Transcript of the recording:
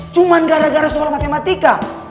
cuma gara gara soal matematika